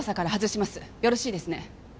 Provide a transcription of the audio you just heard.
よろしいですね？